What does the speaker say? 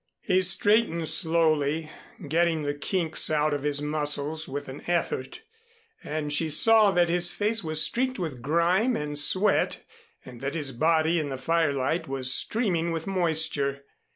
He straightened slowly, getting the kinks out of his muscles with an effort; and she saw that his face was streaked with grime and sweat and that his body in the firelight was streaming with moisture.